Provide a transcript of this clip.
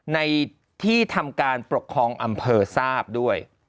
ในที่ทำการปกครองอำเภอทราบด้วย